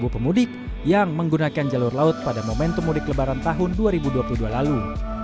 dua pemudik yang menggunakan jalur laut pada momentum mudik lebaran tahun dua ribu dua puluh dua lalu